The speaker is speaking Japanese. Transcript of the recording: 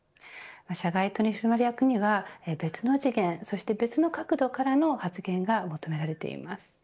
社外取締役には別の次元、そして別の角度からの発言が求められています。